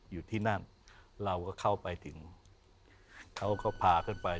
อยู่ที่นั่นเราก็เข้าไปถึงเขาก็พาขึ้นไป